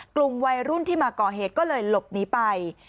กลุ่มวัยรุ่นที่มาก่อเหตุก็เลยหลบหนีไป